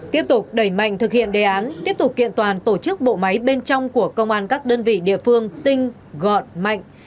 tiếp tục đẩy mạnh thực hiện đề án tiếp tục kiện toàn tổ chức bộ máy bên trong của công an các đơn vị địa phương tinh gọn mạnh